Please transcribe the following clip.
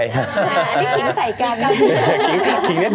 อันนี้ขีงใส่กัน